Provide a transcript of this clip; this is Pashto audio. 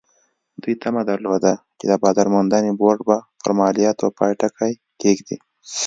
دوی تمه درلوده چې د بازار موندنې بورډ به پر مالیاتو پای ټکی کېږدي.